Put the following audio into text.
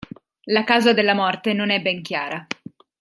La causa della morte non è ben chiara.